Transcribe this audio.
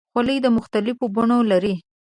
خولۍ د مختلفو بڼو لري.